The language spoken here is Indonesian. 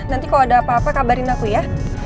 nanti kalau ada apa apa kabarin aku ya